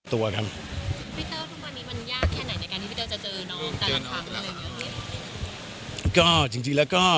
พี่เตอร์ทุกวันนี้มันยากแค่ไหนในการที่จะเจอน้องต่างอย่างเงี้ย